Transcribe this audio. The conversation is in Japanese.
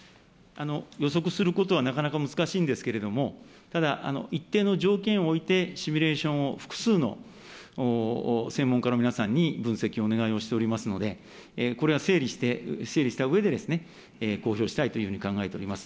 予測することはなかなか難しいんですけれども、ただ一定の条件を置いて、シミュレーションを複数の専門家の皆さんに分析をお願いをしておりますので、これは整理して、整理したうえで、公表したいというふうに考えております。